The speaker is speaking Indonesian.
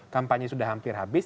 kampanye sudah hampir habis